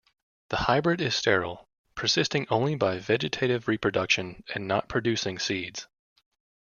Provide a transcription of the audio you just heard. The hybrid is sterile, persisting only by vegetative reproduction and not producing seeds.